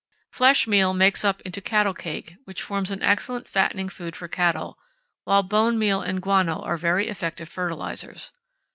Flesh meal makes up into cattle cake, which forms an excellent fattening food for cattle, while bone meal and guano are very effective fertilizers.